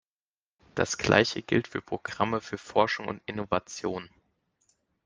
Das Gleiche gilt für Programme für Forschung und Innovation.